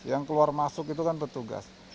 yang keluar masuk itu kan petugas